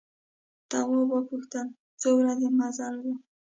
تواب وپوښتل څو ورځې مزل و.